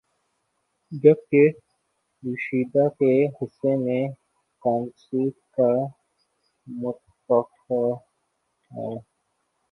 جبکہ یوشیدا کے حصے میں کانسی کا تمغہ آیا